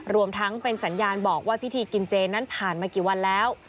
รวมทั้งเป็นสัญญาณบอกว่าพิธีกินเจนั้นผ่านมากี่วันแล้ว